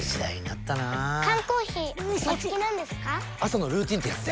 朝のルーティンってやつで。